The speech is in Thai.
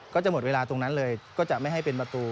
ก็จะหมดเวลาตรงนั้นเลยก็จะไม่ให้เป็นประตู